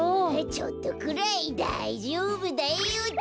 ちょっとくらいだいじょうぶだよ。